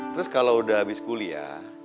terus kalo udah abis kuliah